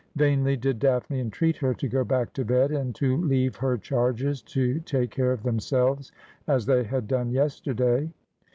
Vainly did Daphne entreat her to go back to bed, and to leave her charges to take care of themselves, as they had done yesterday.